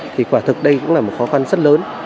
thì quả thực đây cũng là một khó khăn rất lớn